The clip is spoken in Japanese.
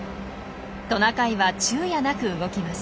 トナカイは昼夜なく動きます。